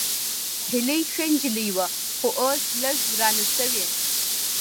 هېلۍ ښه نجلۍ وه، خو اوس لږ ورانه شوې